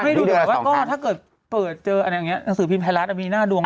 ดูแต่ว่าก็ถ้าเกิดเปิดเจออะไรอย่างนี้หนังสือพิมพ์ไทยรัฐมีหน้าดวง